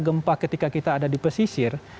gempa ketika kita ada di pesisir